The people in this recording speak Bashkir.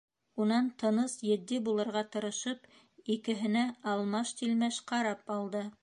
Унан, тыныс, етди булырға тырышып, икеһенә алмаш-тилмәш ҡарап алды.